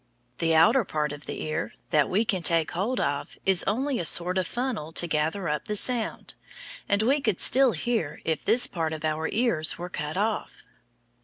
The outer part of the ear, that we can take hold of, is only a sort of funnel to gather up the sound, and we could still hear if this part of our ears were cut off.